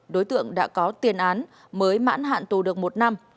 đối tượng đã có tiền án mới mãn hạn tù được một năm